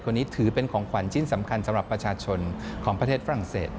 นี้ถือเป็นของขวัญชิ้นสำคัญสำหรับประชาชนของประเทศฝรั่งเศส